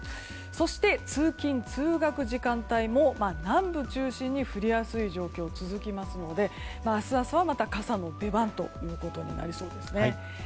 そして、通勤・通学時間帯も南部中心に降りやすい状況が続きますので明日朝はまた傘の出番ということになりそうですね。